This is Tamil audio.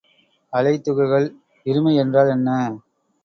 அலை துகள் இருமை என்றால் என்ன?